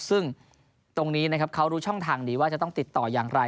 ซึ่งตรงนี้นะครับเขารู้ช่องทางดีว่าจะต้องติดต่ออย่างไร